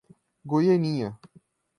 Goianinha